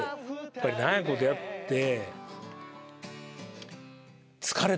やっぱり長いことやって。